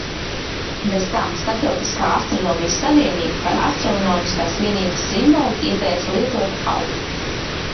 "Bez tam Starptautiskā Astronomijas savienība par astronomiskās vienības simbolu ieteica lietot "au"."